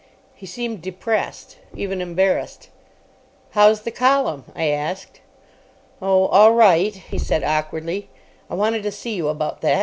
He seemed depressed. Even embarrassed. "How's the column?" I asked. "Oh, all right," he said awkwardly. "I wanted to see you about that.